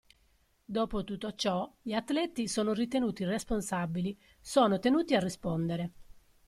Dopo tutto ciò, gli atleti sono ritenuti responsabili, sono tenuti a rispondere.